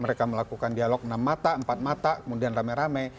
mereka melakukan dialog enam mata empat mata kemudian rame rame